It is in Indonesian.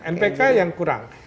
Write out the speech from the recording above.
npk yang kurang